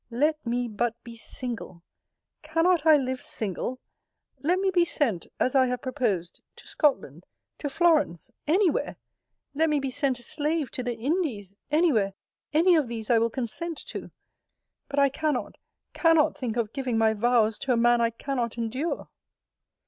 Let me but be single Cannot I live single? Let me be sent, as I have proposed, to Scotland, to Florence, any where: let me be sent a slave to the Indies, any where any of these I will consent to. But I cannot, cannot think of giving my vows to man I cannot endure!